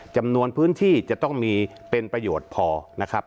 จำนวนพื้นที่จะต้องมีเป็นประโยชน์พอนะครับ